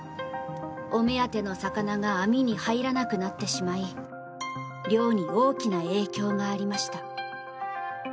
お目当ての魚が網に入らなくなってしまい漁に大きな影響がありました。